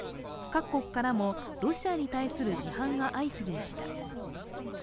各国からもロシアに対する批判が相次ぎました。